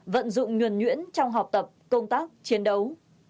vận dụng nhuẩn nhuyễn trong học tập công tác chiến đấu